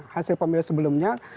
hasil pemilu sebelumnya